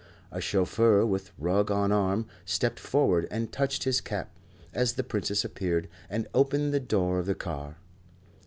A chauffeur, with rug on arm, stepped forward and touched his cap, as the Princess appeared, and opened the door of the car.